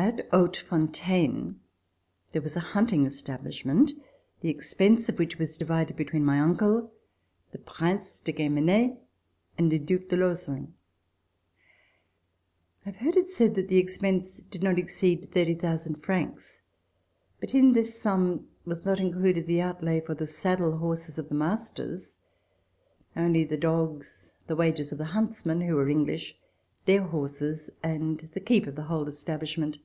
At Hautefontaine there was a hunting establish ment, the expense of which was divided between my uncle, the Prince de Guemene and the Due de Lauzun. I have heard it said that the expense did not exceed 30,000 francs, but in this sum was not included the outlay for the saddle horses of the RECOLLECTIONS OF THE REVOLUTION masters — only the dogs, the wages of the huntsmen, who were EngHsh, their horses and the keep of the whole establishment.